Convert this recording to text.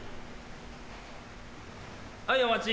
はいお待ち。